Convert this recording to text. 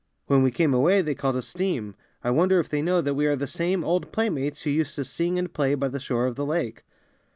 When we came away they called us steam. I won der if they know that we are the same old playmates who used to sing and play by the shore of the lake.